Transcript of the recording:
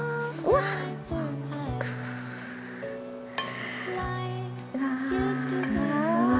うわ。